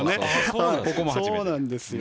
そうなんですよ。